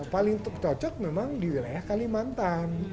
paling cocok memang di wilayah kalimantan